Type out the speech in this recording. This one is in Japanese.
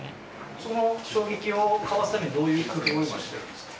その衝撃をかわすためにどういう工夫を今してるんですか？